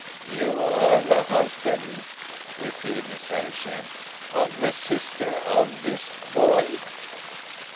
"You are the husband," repeated Miss Havisham, "of the sister of this boy?"